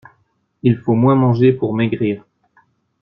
Il faut moins manger pour maigrir.